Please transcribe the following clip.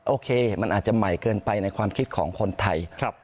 โอเคมันอาจจะใหม่เกินไปในความคิดของคนไทย